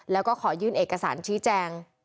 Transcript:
แล้วก็ขอยื่นเอกสารชี้แจง